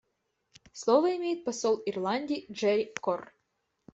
Слово имеет посол Ирландии Джерри Корр.